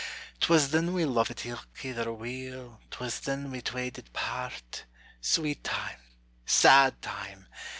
'Twas then we luvit ilk ither weel, 'Twas then we twa did part; Sweet time sad time!